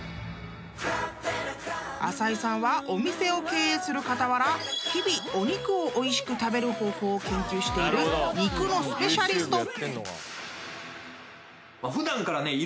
［浅井さんはお店を経営する傍ら日々お肉をおいしく食べる方法を研究している肉のスペシャリスト！］